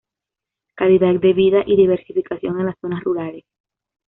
Calidad de vida y diversificación en las zonas rurales.